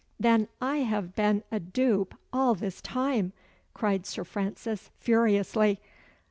"Then I have been a dupe all this time!" cried Sir Francis furiously.